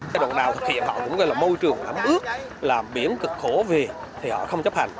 cái đoạn nào thực hiện họ cũng gọi là môi trường ẩm ướt làm biển cực khổ về thì họ không chấp hành